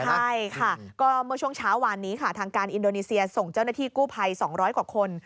ใช่ค่ะก็เมื่อช่วงเช้าวานนี้ค่ะทางการอินโดนีเซียส่งเจ้าหน้าที่กู้ภัย๒๐๐กว่าคน